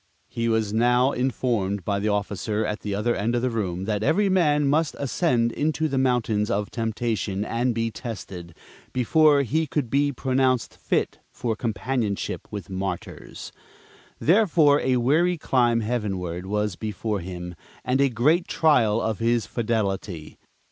He was now informed by the officer at the other end of the room that every man must ascend into the Mountains of Temptation and be tested, before he could be pronounced fit for companionship with Martyrs. Therefore, a weary climb heavenward was before him, and a great trial of his fidelity.